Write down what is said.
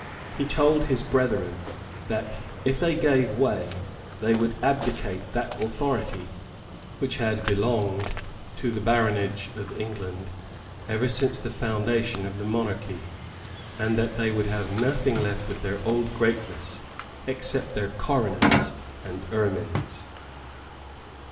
He told his brethren that, if they gave way, they would abdicate that authority which had belonged to the baronage of England ever since the foundation of the monarchy, and that they would have nothing left of their old greatness except their coronets and ermines.